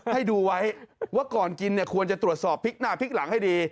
ให้ดูไว้ว่าก่อนกินเนี่ยควรจะตรวจสอบพริกหน้าพริกหลังให้ดี